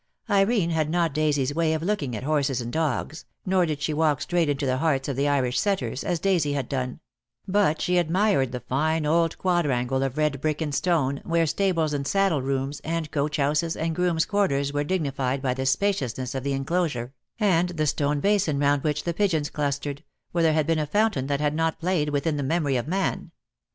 Irene had not Daisy's way of looking at horses and dogs, nor did she walk straight into the hearts of the Irish setters, as Daisy had done; but she admired the fine old quadrangle of red brick and stone, where stables and saddle rooms, and coach houses and grooms' quarters were digni fied by the spaciousness of the enclosure, and the stone basin round which the pigeons clustered, where there had been a fountain that had not played within the memory of man.